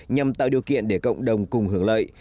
nhằm tạo điều kiện để cộng đồng cùng hưởng lợi